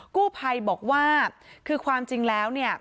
กู้ภัยบอกว่าคือความจริงแล้วเนี่ย